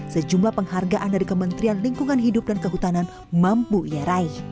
sejumlah penghargaan dari kementerian lingkungan hidup dan kehutanan mampu ia raih